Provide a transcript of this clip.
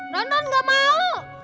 rondon gak mau